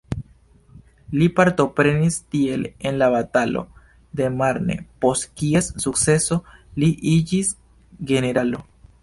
Li partoprenis tiel en la batalo de Marne, post kies sukceso, li iĝis generalo.